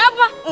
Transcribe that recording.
suara kau kecil